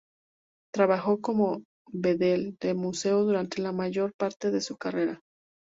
Trabajó como bedel de museo durante la mayor parte de su carrera.